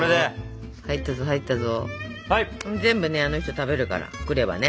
全部ねあの人食べるからグレはね。